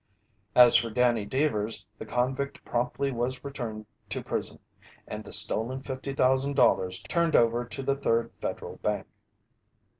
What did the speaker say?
As for Danny Deevers, the convict promptly was returned to prison, and the stolen $50,000 turned over to the Third Federal Bank.